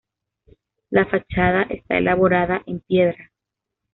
La fachada está elaborada en piedra.